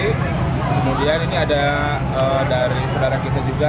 kemudian ini ada dari saudara kita juga